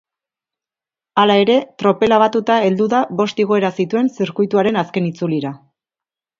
Hala ere, tropela batuta heldu da bost igoera zituen zirkuituaren azken itzulira.